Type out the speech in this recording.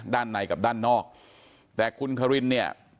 ด้านในกับด้านนอกแต่คุณคารินเนี่ย